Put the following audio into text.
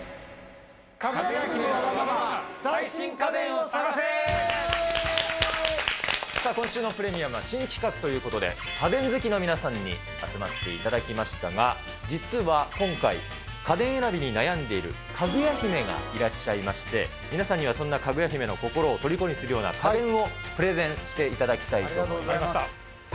かぐや姫のワガママ、最新家さあ、今週のプレミアムは新企画ということで、家電好きの皆さんに集まっていただきましたが、実は今回、家電選びに悩んでいるかぐや姫がいらっしゃいまして、皆さんには、そんなかぐや姫の心をとりこにするような家電をプレゼンしていただきたいと思います。